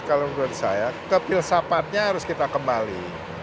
kalau menurut saya kefilsafatnya harus kita kembali